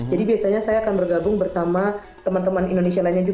jadi biasanya saya akan bergabung bersama teman teman indonesia lainnya juga